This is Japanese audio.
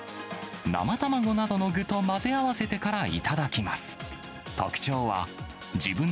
生卵などの具と混ぜ合わせてから頂きます。